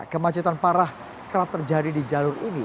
kemacetan parah kerap terjadi di jalur ini